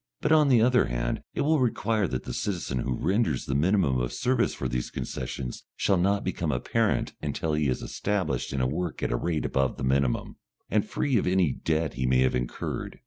But on the other hand it will require that the citizen who renders the minimum of service for these concessions shall not become a parent until he is established in work at a rate above the minimum, and free of any debt he may have incurred.